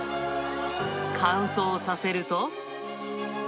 乾燥させると。